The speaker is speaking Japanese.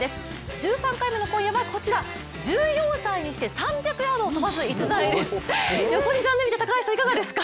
１３回目の今夜はこちら、１４歳にして３００ヤードを飛ばす逸材いかがですか？